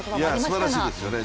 すばらしいですよね